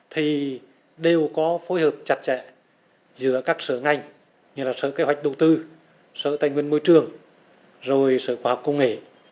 thì đều có phối hợp chặt chẽ giữa các sở ngành như là sở kế hoạch đầu tư sở tài nguyên môi trường rồi sở khoa học công nghệ